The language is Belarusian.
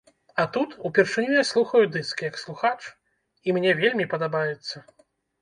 А тут, упершыню я слухаю дыск, як слухач, і мне вельмі падабаецца.